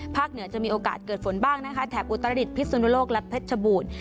เหนือจะมีโอกาสเกิดฝนบ้างนะคะแถบอุตรดิษฐพิสุนโลกและเพชรชบูรณ์